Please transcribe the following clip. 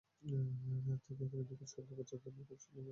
থেকে থেকে বিকট বজ্রধ্বনি তাদের কানে শেলের মত আঘাত হানছিল।